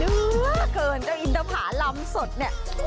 สปีนะเกินแล้วอินทภารำสดอุ้ย